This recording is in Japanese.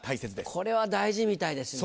これは大事みたいですね。